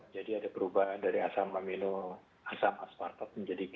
jadi ada perubahan dari asam amino asam aspartat menjadi g